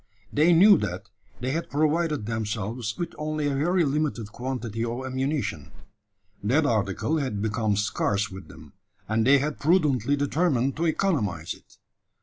They knew that they had provided themselves with only a very limited quantity of ammunition. That article had become scarce with them; and they had prudently determined to economise it.